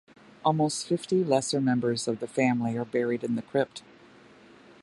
Almost fifty lesser members of the family are buried in the crypt.